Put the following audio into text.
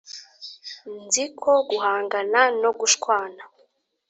nzi ko guhangana no gushwana